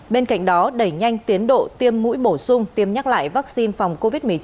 bên cạnh đó đẩy nhanh tiến độ tiêm mũi bổ sung tiêm nhắc lại vaccine phòng covid một mươi chín